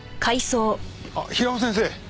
あっ平尾先生。